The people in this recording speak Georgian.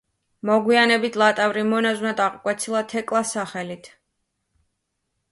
მოგვიანებით ლატავრი მონაზვნად აღკვეცილა თეკლას სახელით.